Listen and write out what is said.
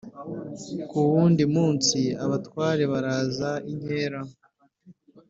ku wundi munsi, abatware baraza inkera